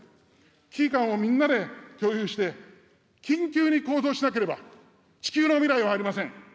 危機感をみんなで共有して、緊急に行動しなければ地球の未来はありません。